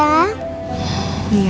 mereka bisa gak ya